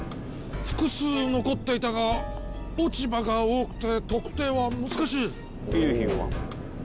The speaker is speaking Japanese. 複数残っていたが落ち葉が多くて特定は難しい遺留品は？